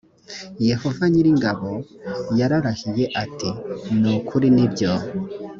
yehova nyir ingabo yararahiye ati ni ukuri nibyo